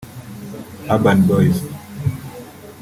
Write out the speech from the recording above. Urban Boyz